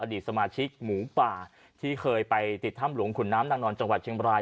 ดีสมาชิกหมูป่าที่เคยไปติดถ้ำหลวงขุนน้ำนางนอนจังหวัดเชียงบราย